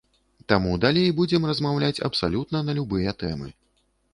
Таму далей будзем размаўляць абсалютна на любыя тэмы.